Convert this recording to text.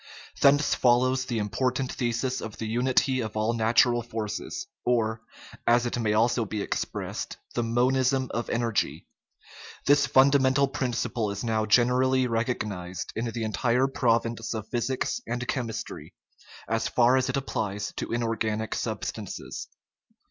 Thence follows the important thesis of the unity of all natural forces, or, as it may also be expressed, the "monism of energy." This fun damental principle is now generally recognized in the entire province of physics and chemistry, as far as it applies to inorganic substances.